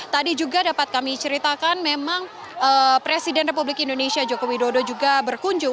tadi juga dapat kami ceritakan memang presiden republik indonesia joko widodo juga berkunjung